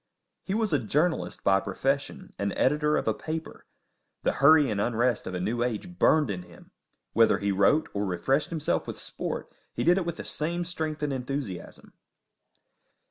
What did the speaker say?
He was a journalist by profession, and editor of a paper; the hurry and unrest of a new age burned in him; whether he wrote or refreshed himself with sport, he did it with the same strength and enthusiasm.